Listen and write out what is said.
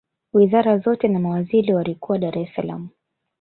wizara zote na mawaziri walikuwa dar es salaam